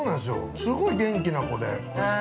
すごい元気な子で。